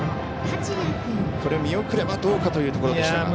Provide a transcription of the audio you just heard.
見送ればどうかというところでしたが。